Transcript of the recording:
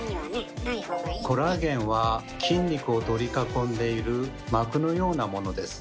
コラーゲンは筋肉を取り囲んでいる膜のようなものです。